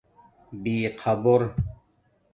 بِخآبُور